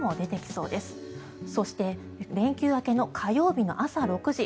そして連休明けの火曜日の朝６時。